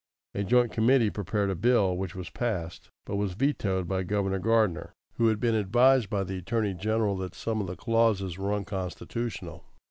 A joint committee prepared a bill, which was passed, but was vetoed by Governor Gardner, who had been advised by the Attorney General that some of the clauses were unconstitutional.